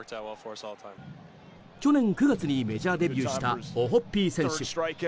去年９月にメジャーデビューしたオホッピー選手。